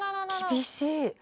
厳しい。